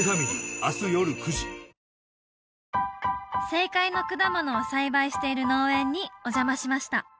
正解の果物を栽培している農園にお邪魔しました